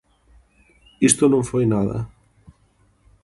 Isto non foi nada...